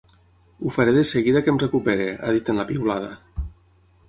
Ho faré de seguida que em recuperi, ha dit en la piulada.